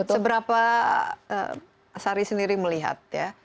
seberapa sari sendiri melihat ya